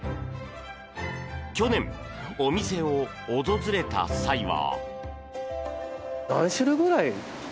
去年、お店を訪れた際は。